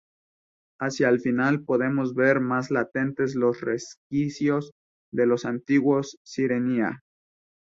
Hacia al final, podemos ver más latentes los resquicios de los antiguos Sirenia.